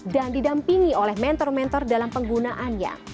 dan didampingi oleh mentor mentor dalam penggunaannya